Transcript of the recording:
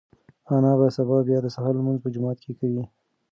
انا به سبا بیا د سهار لمونځ په جومات کې کوي.